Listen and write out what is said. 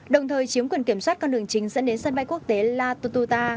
đồng thời chiếm quyền kiểm soát con đường chính dẫn đến sân bay quốc tế la tututa